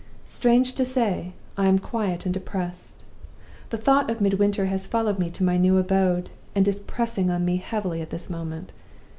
Strange to say, I am quiet and depressed. The thought of Midwinter has followed me to my new abode, and is pressing on me heavily at this moment.